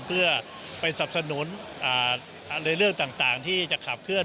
เพื่อไปสับสนุนในเรื่องต่างที่จะขับเคลื